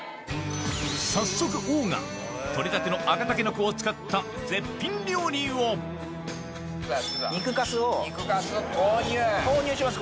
早速王が採れたての赤タケノコを使った絶品料理を肉カスを投入します